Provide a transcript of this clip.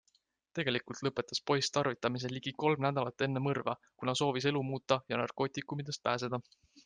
Tegelikult lõpetas poiss tarvitamise ligi kolm nädalat enne mõrva, kuna soovis elu muuta ja narkootikumidest pääseda.